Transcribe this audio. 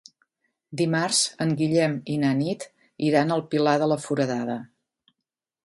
Dimarts en Guillem i na Nit iran al Pilar de la Foradada.